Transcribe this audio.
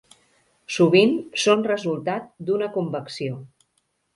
Sovint són resultat d'una convecció.